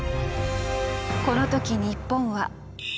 この時日本は。